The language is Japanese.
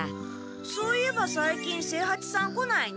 そういえばさいきん清八さん来ないね。